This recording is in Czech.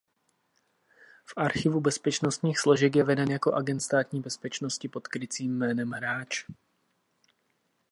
V Archivu bezpečnostních složek je veden jako agent Státní bezpečnosti pod krycím jménem Hráč.